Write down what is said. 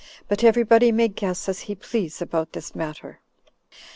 But every body may guess as he please about this matter.